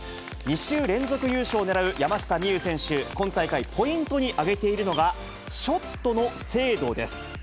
２週連続優勝を狙う山下美夢有選手、今大会、ポイントに挙げているのが、ショットの精度です。